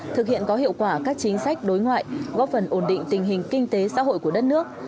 thực hiện có hiệu quả các chính sách đối ngoại góp phần ổn định tình hình kinh tế xã hội của đất nước